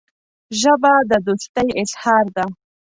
ژبه د دوستۍ اظهار ده